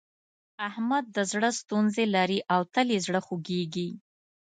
احمد د زړه ستونزې لري او تل يې زړه خوږېږي.